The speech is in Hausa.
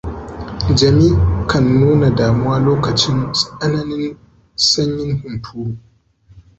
Jami kan nuna damuwa lokacin tsananin sanyin hunturu.